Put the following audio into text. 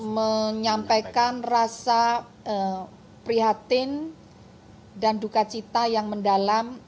menyampaikan rasa prihatin dan dukacita yang mendalam